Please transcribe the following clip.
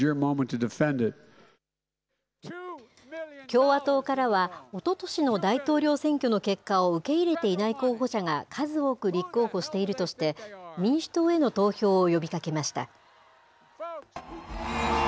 共和党からは、おととしの大統領選挙の結果を受け入れていない候補者が数多く立候補しているとして、民主党への投票を呼びかけました。